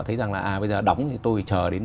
thấy rằng là bây giờ đóng thì tôi chờ đến